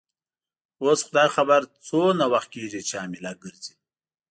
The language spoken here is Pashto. اوس خدای خبر څومره وخت کیږي چي حامله ګرځې.